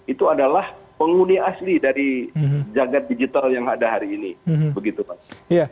itu adalah penghuni asli dari jagad digital yang ada hari ini begitu pak